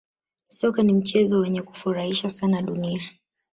Soka ni mchezo wenye kufurahisha sana dunia